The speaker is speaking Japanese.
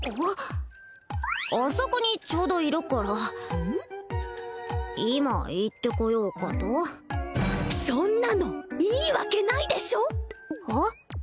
あそこにちょうどいるから今行ってこようかとそんなのいいわけないでしょえっ？